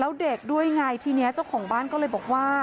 แล้วเด็กด้วยไงทีนี้เจ้าของบ้านก็เลยบอกว่า